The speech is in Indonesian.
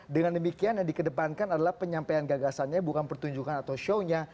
dengan demikian yang dikedepankan adalah penyampaian gagasannya bukan pertunjukan atau shownya